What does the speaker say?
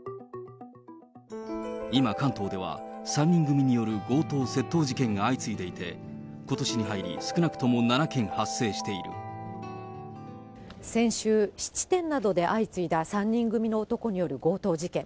今、関東では３人組による強盗窃盗事件が相次いでいて、ことしに入り、先週、質店などで相次いだ３人組の男による強盗事件。